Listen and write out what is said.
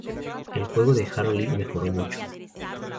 El juego de Hartley mejoró mucho.